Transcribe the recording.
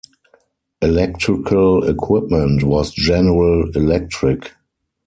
Electrical equipment was General Electric.